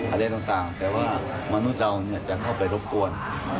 อะไรต่างแต่ว่ามนุษย์เราจะเข้าไปรบกวน